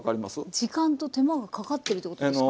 時間と手間がかかってるってことですか？